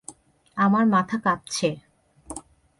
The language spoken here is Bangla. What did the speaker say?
আমার মাথা কাঁপছে।